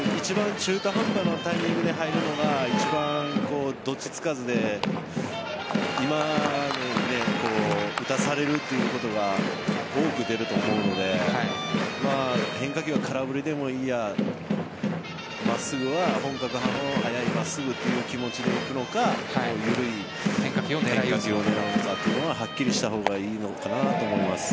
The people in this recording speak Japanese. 中途半端なタイミングに入るのが一番どっちつかずで今、打たされるということが多く出ると思うので変化球は空振りでもいいやと真っすぐは本格派の速い真っすぐという気持ちでいくのか緩い変化球を狙うのかというのははっきりした方がいいのかなと思います。